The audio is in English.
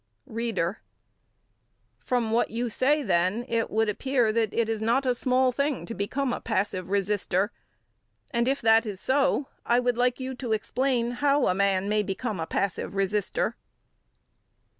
READER: From what you say, then, it would appear that it is not a small thing to become a passive resister, and, if that is so, I would like you to explain how a man may become a passive resister.